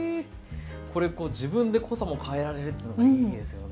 これ自分で濃さも変えられるっていうのがいいですよね。